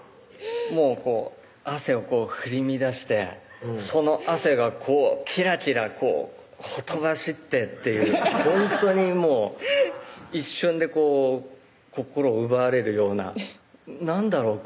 もう汗を振り乱してその汗がこうキラキラほとばしってっていうほんとにもう一瞬で心奪われるような何だろう